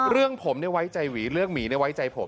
เรื่องผมเนี่ยไว้ใจหวีเรื่องหมีเนี่ยไว้ใจผม